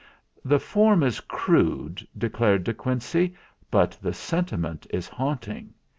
"The form is crude," declared De Quincey, "but the sentiment is haunting.